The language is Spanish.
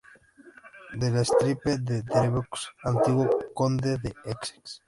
De la estirpe de Devereux, antiguo conde de Essex.